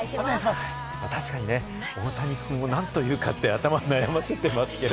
確かにね、大谷くんを何と言うかって頭を悩ませてますけれども。